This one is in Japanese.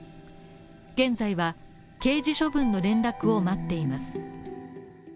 現在は、刑事処分の連絡を待っています。